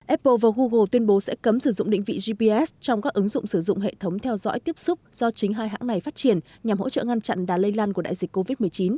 apple và google tuyên bố sẽ cấm sử dụng định vị gps trong các ứng dụng sử dụng hệ thống theo dõi tiếp xúc do chính hai hãng này phát triển nhằm hỗ trợ ngăn chặn đá lây lan của đại dịch covid một mươi chín